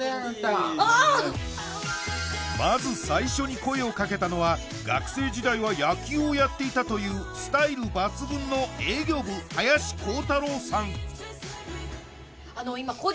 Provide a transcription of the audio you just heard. まず最初に声をかけたのは学生時代は野球をやっていたというスタイル抜群の営業部林航太郎さん